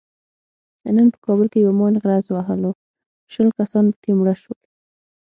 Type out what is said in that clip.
نن په کابل کې یوه ماین غرز وهلو شل کسان پکې مړه شول.